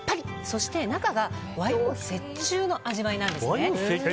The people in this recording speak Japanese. そして中が和洋折衷の味わいなんですね。